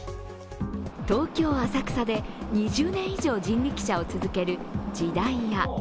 東京・浅草で２０年以上人力車を続ける時代屋。